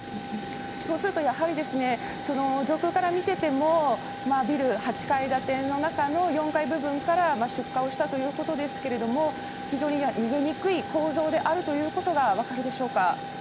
そうすると、やはりその上空から見てても、ビル、８階建ての中の４階部分から出火をしたということですけれども、非常に逃げにくい構造であるということが分かるでしょうか。